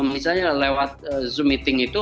misalnya lewat zoom meeting itu